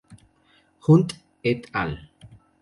Hunt "et al.